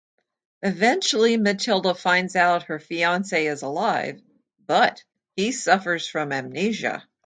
Eventually Mathilde finds out her fiance is alive, but he suffers from amnesia.